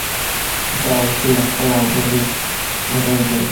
دا اصول خپل او بل وېش له منځه وړي.